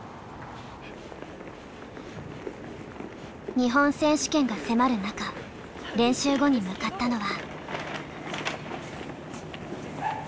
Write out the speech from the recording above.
日本選手権が迫る中練習後に向かったのは。